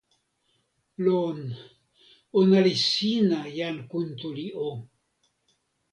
lon. ona li sina, jan Kuntuli o.